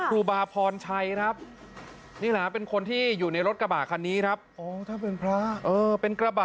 ครูบาพรชัยครับนี่แหละเป็นคนที่อยู่ในรถกระบะคันนี้ครับ